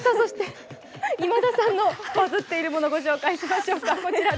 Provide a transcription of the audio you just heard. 今田さんのバズってるものご紹介しましょう。